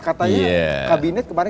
katanya kabinet kemarin